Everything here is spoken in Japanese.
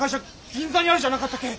銀座にあるじゃなかったけ？